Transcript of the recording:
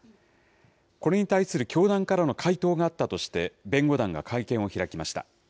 これに対する教団からの回答があったとして、弁護団が会見を開きました。